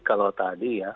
kalau tadi ya